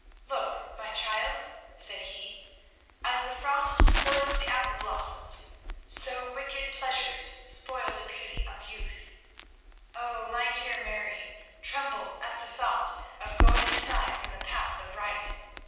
"Look, my child," said he, "as the frost spoils the apple blossoms, so wicked pleasures spoil the beauty of youth. Oh, my dear Mary, tremble at the thought of going aside from the path of right.